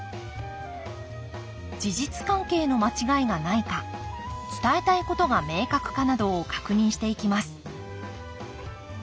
事実関係の間違いがないか伝えたいことが明確かなどを確認していきます。